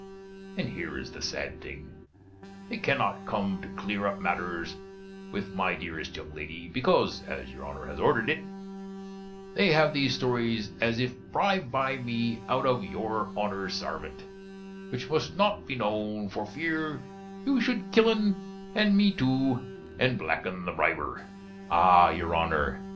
And here is the sad thing; they cannot come to clere up matters with my deerest young lady, because, as your Honner has ordered it, they have these stories as if bribed by me out of your Honner's sarvant; which must not be known for fere you should kill'n and me too, and blacken the briber! Ah! your Honner!